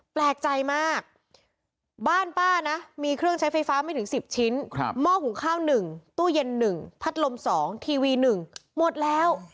แปลกใจมากบ้านป้านะมีเครื่องใช้ไฟฟ้าไม่ถึง๑๐ชิ้นหม้อหุงข้าว๑ตู้เย็น๑พัดลม๒ทีวี๑หมดแล้ว